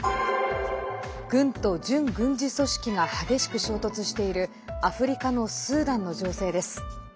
軍と準軍事組織が激しく衝突しているアフリカのスーダンの情勢です。